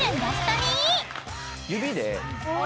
指で。